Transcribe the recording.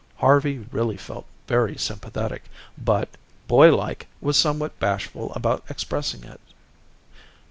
Harvey really felt very sympathetic, but, boy like, was somewhat bashful about expressing it.